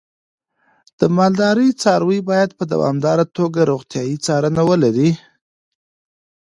د مالدارۍ څاروی باید په دوامداره توګه روغتیايي څارنه ولري.